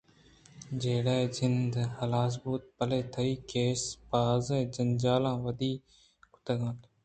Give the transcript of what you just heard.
جیڑہ ءِ جند ہلاس بوت بلئے تئی کیس ءَبازیں جنجال ودی کُتگ اَت